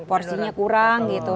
porsinya kurang gitu